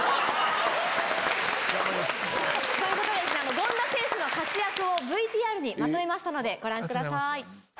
権田選手の活躍をＶＴＲにまとめましたのでご覧ください。